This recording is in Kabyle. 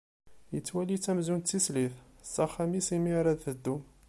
Yettwali-tt amzun d tislit, s axxam-is mi ara teddu.